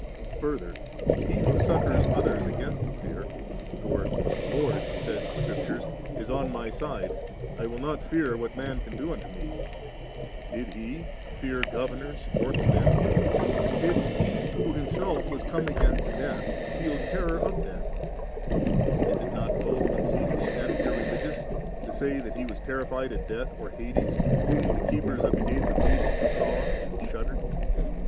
Further, He who succours others against fear (for ' the Lord,* says Scripture, ' is on my side, I will not fear what man shall do unto me^'), did He fear governors, mortal men ? did He who Himself was come against death, fed terror of death? Is it not both unseemly and irreligious to say that He was ter rified at death or hades, whom the keepers of the gates of hades 9 saw and shuddered